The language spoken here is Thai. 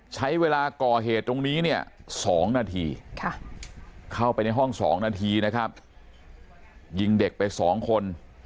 ใช้เวลาก่อเหตุตรงนี้เนี่ย๒นาทีเข้าไปในห้อง๒นาทีนะครับยิงเด็กไป๒คน